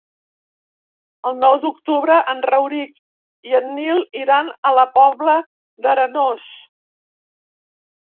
El nou d'octubre en Rauric i en Nil iran a la Pobla d'Arenós.